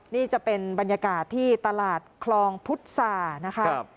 นี่จะเป็นบรรยากาศที่ตลาดคลองพุทธศานะคะ